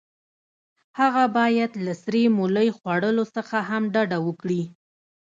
هغه باید له سرې مولۍ خوړلو څخه هم ډډه وکړي.